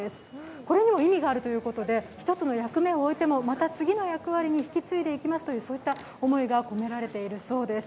これにも意味があるということで１つの役目を終えてもまた次の役割に引き継いでいきますというそういった思いが込められているそうです。